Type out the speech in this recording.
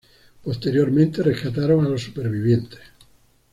Posteriormente rescataron a los supervivientes.